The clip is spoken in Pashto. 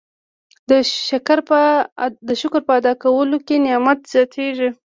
د شکر په ادا کولو نعمت زیاتیږي.